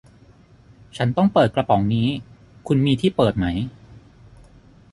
ฉันต้องเปิดกระป๋องนี้ คุณมีที่เปิดไหม